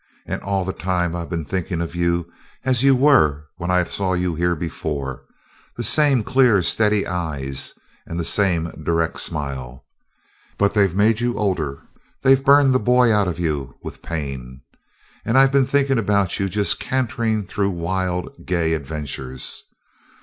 "And all the time I've been thinking of you as you were when I saw you here before the same clear, steady eyes and the same direct smile. But they've made you older they've burned the boy out of you with pain! And I've been thinking about you just cantering through wild, gay adventures.